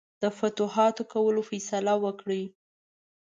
د فتوحاتو کولو فیصله وکړي.